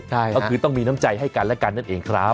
ก็คือต้องมีน้ำใจให้กันและกันนั่นเองครับ